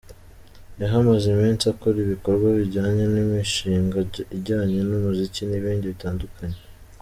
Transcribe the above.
Yahamaze iminsi akora ibikorwa bijyanye n’imishinga ijyanye n’umuziki n’ibindi bitandukanye.